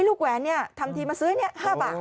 ลูกแหวนนี่ทำทีมาซื้อนี่๕บาท